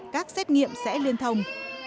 các xét nghiệm sẽ liên thông